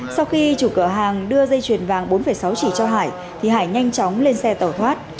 sau khi chủ cửa hàng đưa dây chuyền vàng bốn sáu chỉ cho hải thì hải nhanh chóng lên xe tẩu thoát